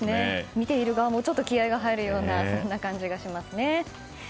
見ている側もちょっと気合が入るような感じがしますね。